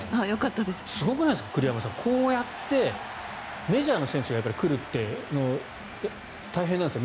すごくないですか栗山さん。こうやってメジャーの選手が来るって大変なんですよ